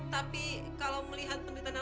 tapi kalau melihat penderitaan